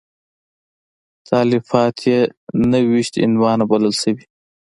تالیفات یې نهه ویشت عنوانه بلل شوي.